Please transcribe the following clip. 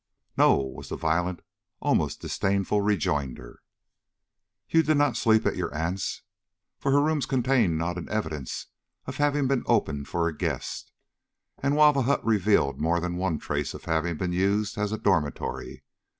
"No!" was the violent, almost disdainful, rejoinder. "You did not sleep at your aunt's, for her rooms contained not an evidence of having been opened for a guest, while the hut revealed more than one trace of having been used as a dormitory.